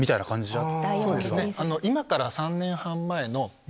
そうですね。